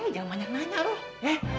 jangan banyak nanya loh